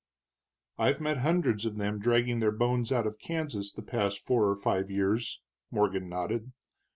"I've met hundreds of them dragging their bones out of Kansas the past four or five years," Morgan nodded.